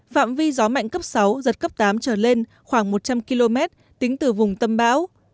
phạm vi gió mạnh cấp sáu giật cấp tám trở lên khoảng một trăm linh km tính từ vùng tâm bão